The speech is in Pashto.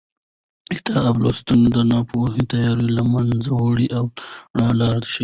د کتاب لوستل د ناپوهۍ تیارې له منځه وړي او د رڼا لار ښیي.